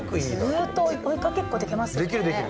ずっと追いかけっこできますよね。